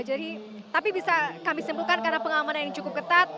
jadi tapi bisa kami simpulkan karena pengalaman ini cukup ketat